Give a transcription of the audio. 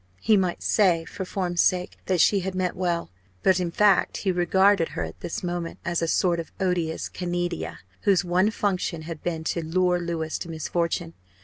He might say for form's sake that she had meant well; but in fact he regarded her at this moment as a sort of odious Canidia whose one function had been to lure Louis to misfortune.